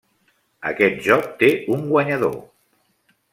Aquest joc té un guanyador.